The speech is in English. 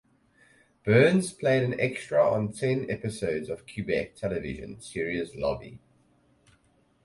Burns played an extra on ten episodes of Quebec television series Lobby.